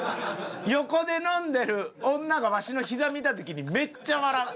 横で飲んでる女がわしのひざ見た時にめっちゃ笑う。